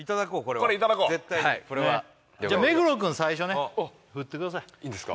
これいただこうはいこれはじゃあ目黒くん最初ね振ってくださいいいんですか？